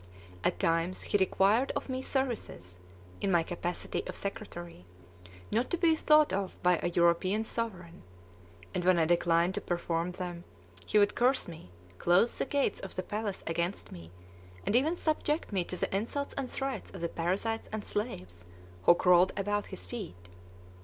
At times he required of me services, in my capacity of secretary, not to be thought of by a European sovereign; and when I declined to perform them, he would curse me, close the gates of the palace against me, and even subject me to the insults and threats of the parasites and slaves who crawled about his feet.